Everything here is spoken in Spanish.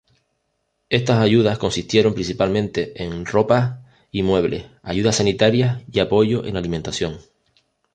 Estas ayudas consistieron, principalmente, en ropas y muebles, ayudas sanitarias y apoyo en alimentación.